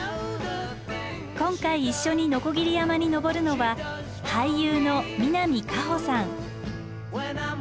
今回一緒に鋸山に登るのは俳優の南果歩さん。